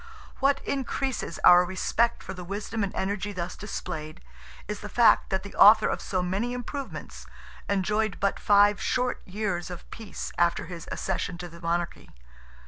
What increases our respect for the wisdom and energy thus displayed, is the fact, that the author of so many improvements, enjoyed but five short years of peace, after his accession to the Monarchy.